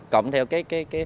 cộng theo cái